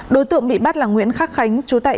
đối tượng bị bắt là nguyễn khắc khánh chú tại